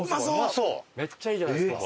めっちゃいいじゃないですか。